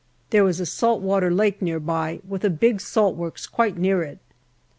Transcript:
There was a salt water lake near by, with a big salt works quite near it.